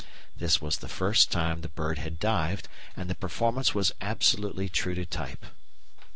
This was the first time the bird had dived, and the performance was absolutely true to type.